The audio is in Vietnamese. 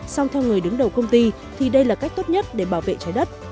song theo người đứng đầu công ty thì đây là cách tốt nhất để bảo vệ trái đất